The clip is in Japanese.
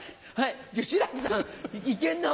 志らくさんいけるなぁ。